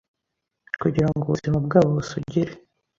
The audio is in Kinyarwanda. kugirango ubuzima bwabo busugire